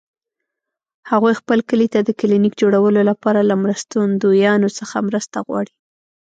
هغوی خپل کلي ته د کلینیک جوړولو لپاره له مرستندویانو څخه مرسته غواړي